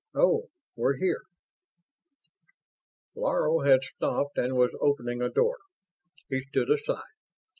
oh, we're here?" Laro had stopped and was opening a door. He stood aside.